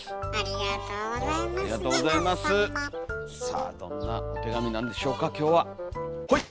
さあどんなお手紙なんでしょうか今日はほい！